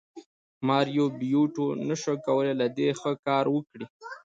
ماریو بیوټو نشوای کولی له دې ښه کار وکړي